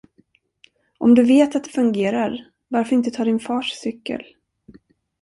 Om du vet att det fungerar, varför inte ta din fars cykel?